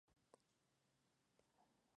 Se asentó en Juan-les-Pins, en Francia.